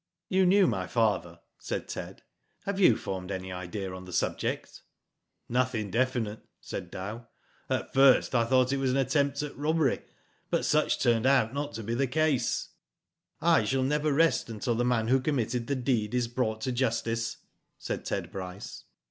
" You knew my father," said Ted, " have you formed any idea on the subject?" "Nothing definite," said Dow. "At first I thought it was an attempt at robbery, but such turned out not to be the case." Digitized byGoogk TIVO MEN, 79 "I shall never rest until the man who committed the deed is brought to justice/' said Ted Bryce.